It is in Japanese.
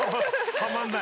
はまんない。